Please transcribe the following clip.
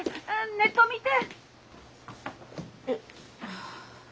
ネット見て！